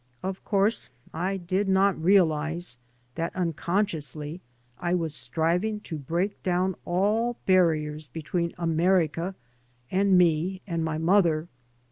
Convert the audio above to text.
Of course I did not realise that unconsciously I was striving to break down all barriers between America, and me, and my mother.